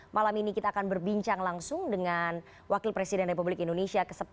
malam ini kita akan berbincang langsung dengan wakil presiden republik indonesia ke sepuluh